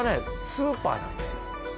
スーパーなんですよ